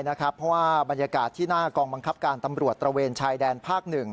เพราะว่าบรรยากาศที่หน้ากองบังคับการตำรวจตระเวนชายแดนภาค๑